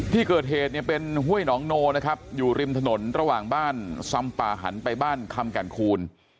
ที่เกิดเหตุเนี่ยเป็นห้วยหนองโนนะครับอยู่ริมถนนระหว่างบ้านซำป่าหันไปบ้านคำแก่นคูณ